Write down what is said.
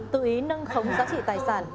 tự ý nâng khống giá trị tài sản